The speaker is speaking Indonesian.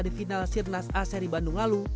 di final sirnas a seri bandung lalu